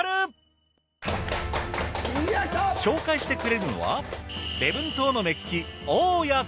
紹介してくれるのは。